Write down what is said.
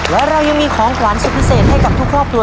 และเรายังมีของขวัญสุดพิเศษให้กับทุกครอบครัว